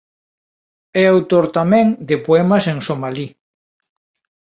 É autor tamén de poemas en somalí.